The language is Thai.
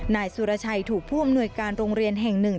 นายสุรชัยถูกผู้อำนวยการโรงเรียนแห่งหนึ่ง